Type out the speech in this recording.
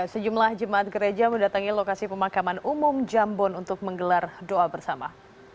sejumlah jemaat gereja mendatangi lokasi pemakaman umum jambon untuk menggelar doa bersama